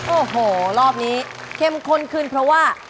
โอ้โหรอบนี้เข้มข้นขึ้นเพราะว่า